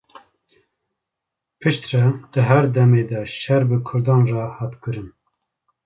Piştre, di her demê de şer bi kurdan rê hat kirin.